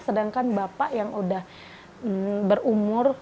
sedangkan bapak yang udah berumur